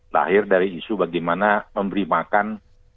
lahir dari isu bagaimana memberi makan